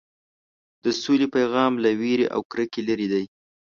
د سولې پیغام له وېرې او کرکې لرې دی.